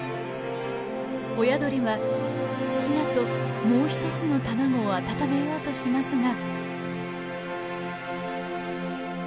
親鳥はヒナともう一つの卵を温めようとしますが。